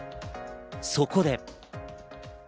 そこで。